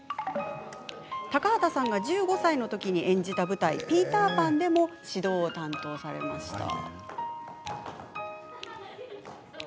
高畑さんが１５歳のときに演じた舞台「ピーターパン」でも指導を担当されました。